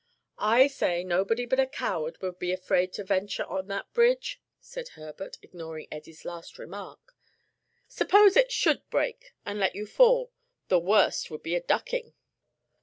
"I say nobody but a coward would be afraid to venture on that bridge," said Herbert, ignoring Eddie's last remark. "Suppose it should break and let you fall! the worst would be a ducking."